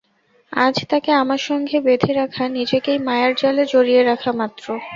আজ তাকে আমার সঙ্গে বেঁধে রাখা নিজেকেই মায়ার জালে জড়িয়ে রাখা মাত্র।